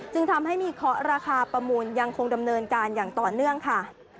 จึงทำให้มีเคาะราคาประมูลยังคงดำเนินการอย่างต่อเนื่องค่ะ